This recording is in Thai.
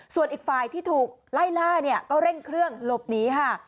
ส่วนอีกฝ่ายที่ถูกไล่ล่าเนี่ยก็เร่งเครื่องหลบหนีค่ะ